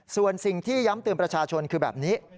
ส่วนสิ่งที่ย้ำเตือนประชาชนคือแบบนี้